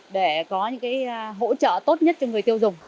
để có những hỗ trợ tốt nhất cho người tiêu dùng